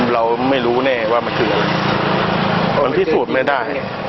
เราไม่รู้แน่ว่ามันคืออะไรมันพิสูจน์ไม่ได้